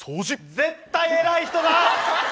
絶対偉い人だ！